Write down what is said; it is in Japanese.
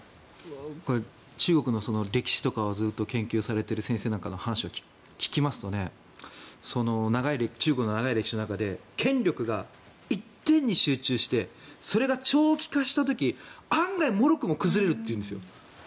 中国の歴史とかをずっと研究されている先生とかの話を聞きますと中国の長い歴史の中で権力が一点に集中してそれが長期化した時案外、もろくも崩れるというんですよ。